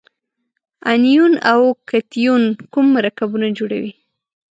انیون او کتیون کوم مرکبونه جوړوي؟